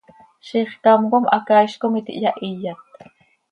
Zixcám com hacaaiz com iti hyahiyat.